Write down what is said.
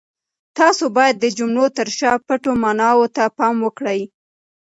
تاسو باید د جملو تر شا پټو ماناوو ته پام وکړئ.